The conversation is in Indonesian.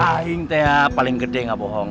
ah ini yang paling gede gak bohong